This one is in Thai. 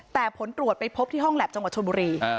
แต่ผลตรวจไปพบที่ห้องแล็บจังหวัดชนบุรี